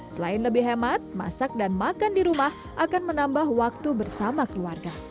selain lebih hemat masak dan makan di rumah akan menambah waktu bersama keluarga